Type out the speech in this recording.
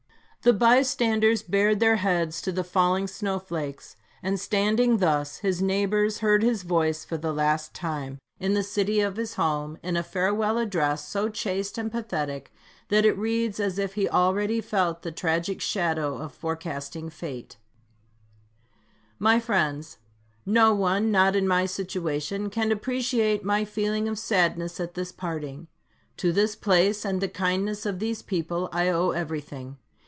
The by standers bared their heads to the falling snow flakes, and standing thus, his neighbors heard his voice for the last time, in the city of his home, in a farewell address1 so chaste and pathetic, that it reads as if he already felt the tragic shadow of forecasting fate : My friends : no one, not in my situation, can appreciate my feeling of sadness at this parting. To this place, and the kindness of these people, I owe everything.